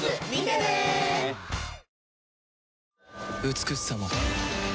美しさも